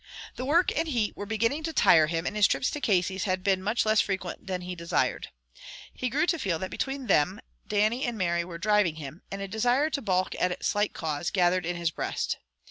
The work and heat were beginning to tire him, and his trips to Casey's had been much less frequent than he desired. He grew to feel that between them Dannie and Mary were driving him, and a desire to balk at slight cause, gathered in his breast.